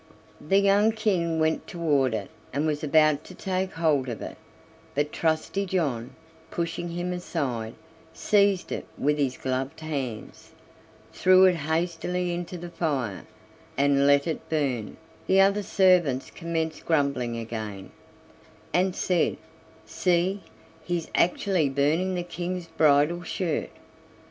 The young King went toward it and was about to take hold of it, but Trusty John, pushing him aside, seized it with his gloved hands, threw it hastily into the fire, and let it burn The other servants commenced grumbling again, and said: "See, he's actually burning the King's bridal shirt."